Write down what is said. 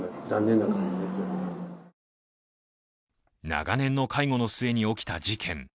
長年の介護の末に起きた事件。